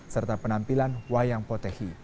serta penampilan wayang potehi